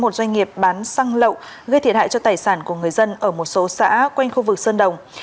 một doanh nghiệp bán xăng lậu gây thiệt hại cho tài sản của người dân ở một số xã quanh khu vực sơn đồng